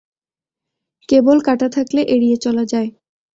কেবল কাঁটা থাকলে এড়িয়ে চলা যায়।